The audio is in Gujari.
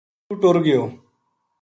اُتو ٹُر گیو